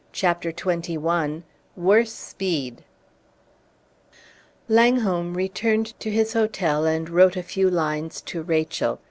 CHAPTER XXI WORSE SPEED Langholm returned to his hotel and wrote a few lines to Rachel.